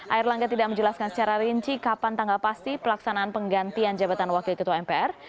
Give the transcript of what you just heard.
air langga tidak menjelaskan secara rinci kapan tanggal pasti pelaksanaan penggantian jabatan wakil ketua mpr